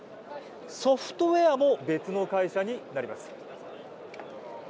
ソフトウエアも別の会社になります。